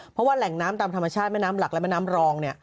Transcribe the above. เพราะว่าแหล่งน้ำตามธรรมชาติแม่น้ำหลักและแม่น้ำรอง